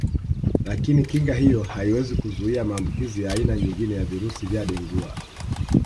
Lakini kinga hiyo haiwezi kuzuia maambukizi ya aina nyingine ya virusi vya Dengua